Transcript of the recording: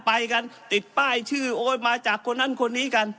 ไปกันติดป้ายชื่อโอ๊ยมาจากคนนั้นคนนี้กัน